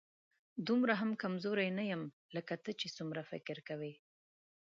دومره هم کمزوری نه یم، لکه ته چې څومره فکر کوې